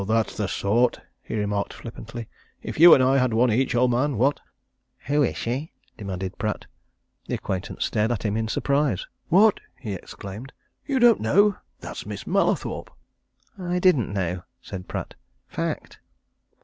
"That's the sort!" he remarked flippantly. "If you and I had one each, old man what?" "Who is she?" demanded Pratt. The acquaintance stared at him in surprise. "What!" he exclaimed. "You don't know. That's Miss Mallathorpe." "I didn't know," said Pratt. "Fact!"